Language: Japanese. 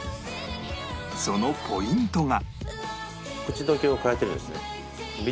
そのポイントが